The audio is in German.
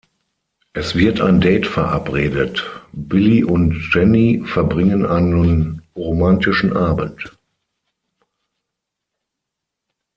Es wird ein Date verabredet, Billy und Jenny verbringen einen romantischen Abend.